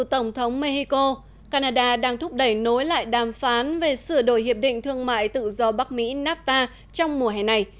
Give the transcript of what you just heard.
tổng thống mexico canada đang thúc đẩy nối lại đàm phán về sửa đổi hiệp định thương mại tự do bắc mỹ nafta trong mùa hè này